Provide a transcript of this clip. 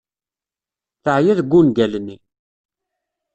Teεya deg ungal-nni.